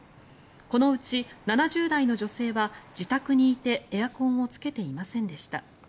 このうち７０代の女性は自宅にいてエアコンをつけていませんでした。